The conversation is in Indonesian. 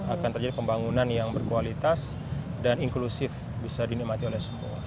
akan terjadi pembangunan yang berkualitas dan inklusif bisa dinikmati oleh semua